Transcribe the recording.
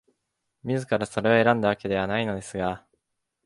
自らそれを選んだわけではないのですが、